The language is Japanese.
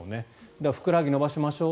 だからふくらはぎを伸ばしましょう。